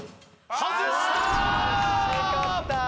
外したー！